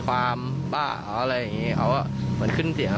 เขาบอกก็เหมือนขึ้นเสียง